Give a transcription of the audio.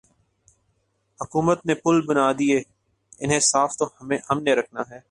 حکومت نے پل بنادیئے انہیں صاف تو ہم نے رکھنا ہے۔